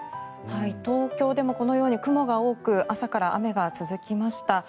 東京でもこのように雲が多く朝から雨が続きました。